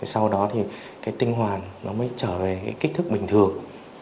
sau đó thì tinh hoàn mới trở về kích thức bình thường